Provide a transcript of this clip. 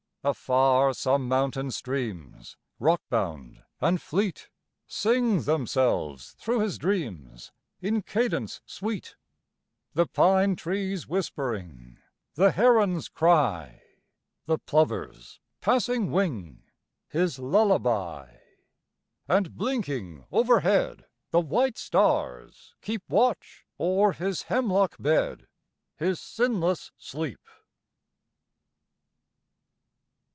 Afar some mountain streams, rockbound and fleet, Sing themselves through his dreams in cadence sweet, The pine trees whispering, the heron's cry, The plover's passing wing, his lullaby. And blinking overhead the white stars keep Watch o'er his hemlock bed his sinless sleep.